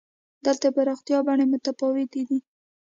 دلته د پراختیا بڼې متفاوتې دي.